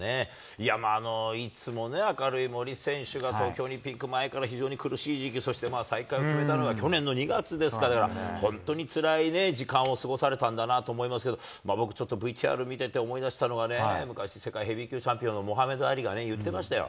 いやまあ、いつも明るい森選手が、東京オリンピック前から非常に苦しい時期、そして再開を決めたのが去年の２月ですから、本当につらいね、時間を過ごされたんだなと思いますけど、僕、ちょっとＶＴＲ見てて思い出したのは、昔、世界ヘビー級チャンピオンのモハメド・アリが言ってましたよ。